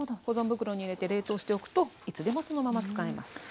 保存袋に入れて冷凍しておくといつでもそのまま使えます。